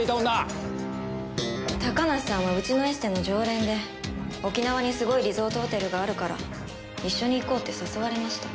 高梨さんはうちのエステの常連で沖縄にすごいリゾートホテルがあるから一緒に行こうって誘われました。